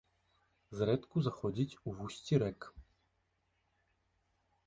Зрэдку заходзіць у вусці рэк.